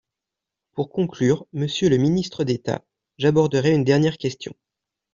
Pour conclure, monsieur le ministre d’État, j’aborderai une dernière question.